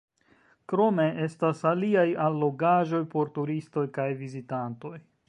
Krome estas aliaj allogaĵoj por turistoj kaj vizitantoj.